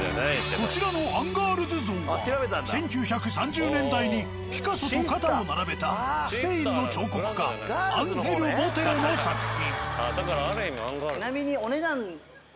こちらのアンガールズ像は１９３０年代にピカソと肩を並べたスペインの彫刻家アンヘル・ボテロの作品。